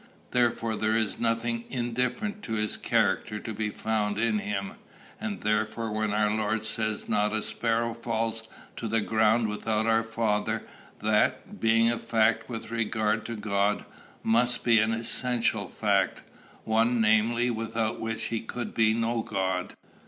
Therefore there is nothing indifferent to his character to be found in him; and therefore when our Lord says not a sparrow falls to the ground without our Father, that, being a fact with regard to God, must be an essential fact, one, namely, without which he could be no God.'